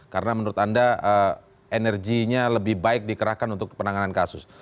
karena menurut anda energinya lebih baik dikerahkan untuk penanganan kasus